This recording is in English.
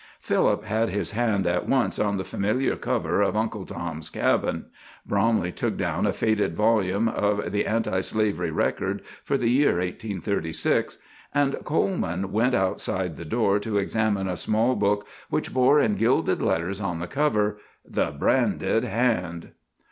Philip had his hand at once on the familiar cover of "Uncle Tom's Cabin"; Bromley took down a faded volume of the "Anti Slavery Record" for the year 1836; and Coleman went outside the door to examine a small book which bore in gilded letters on the cover, "The Branded Hand."